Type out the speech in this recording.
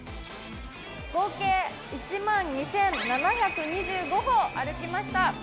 合計１万２７２５歩、歩きました。